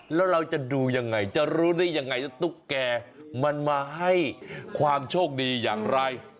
แล้วเราจะดูยังไงจะรู้ได้ยังไงว่าตุ๊กแก่มันมาให้ความโชคดีอย่างไร